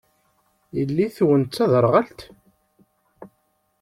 Yelli-twen d taderɣalt?